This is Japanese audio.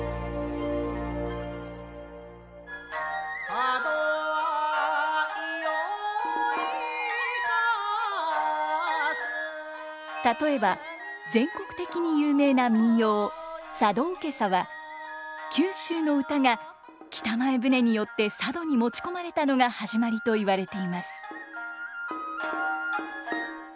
佐渡は居良いか例えば全国的に有名な民謡「佐渡おけさ」は九州の唄が北前船によって佐渡に持ち込まれたのが始まりと言われています。